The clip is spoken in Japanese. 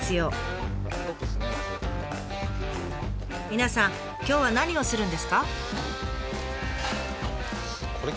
皆さん今日は何をするんですか？